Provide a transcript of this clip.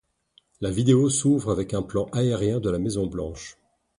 La vidéo s’ouvre avec un plan aérien de la maison-Blanche.